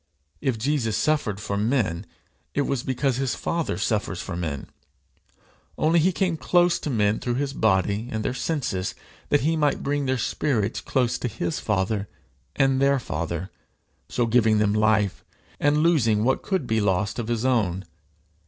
If Jesus suffered for men, it was because his Father suffers for men; only he came close to men through his body and their senses, that he might bring their spirits close to his Father and their Father, so giving them life, and losing what could be lost of his own.